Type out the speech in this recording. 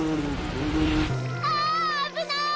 ああぶない！